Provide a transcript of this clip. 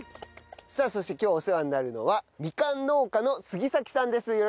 さあそして今日お世話になるのはみかん農家の杉さんです。